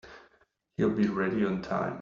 He'll be ready on time.